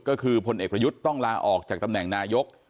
ก็คือพลเอกประยุทธ์ต้องลาออกจากตำแหน่งนายก